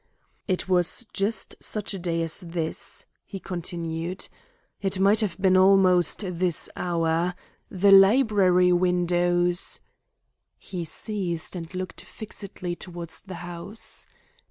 "It was just such a day as this," he continued. "It might have been almost this hour. The library windows " He ceased and looked fixedly towards the house.